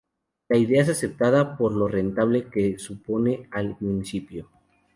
La idea es aceptada por lo rentable que supone al municipio.